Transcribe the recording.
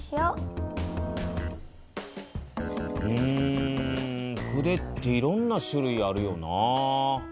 うん筆っていろんな種類あるよな。